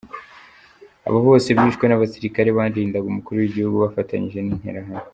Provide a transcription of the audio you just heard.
Abo bose bishwe n’abasirikare barindaga umukuru w’igihugu bafatanyije n’Interahamwe.